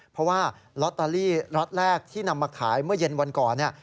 เพราะว่าลอตเตอรี่ล็อตแรกที่นำมาขายเมื่อเย็นวันก่อนเนี่ย